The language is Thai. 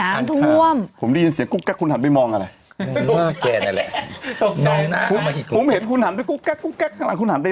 นะทุ่มผมได้ยินเสียงกุ๊บก๊ะคุณหันไปมองนั่นแหละ